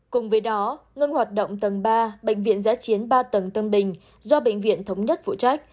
cùng với đó ngưng hoạt động tầng ba bệnh viện giã chiến ba tầng tân bình do bệnh viện thống nhất phụ trách